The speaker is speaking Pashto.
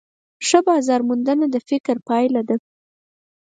ښه بازارموندنه د فکر پایله ده.